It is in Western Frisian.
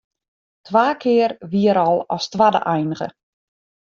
Twa kear wie er al as twadde einige.